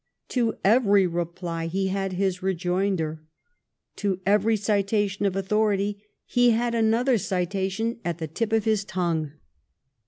To every reply he had his rejoinder; to every citation oi authority he had another citation at the tip of his tongue.